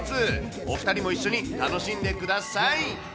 お２人も一緒に楽しんでください。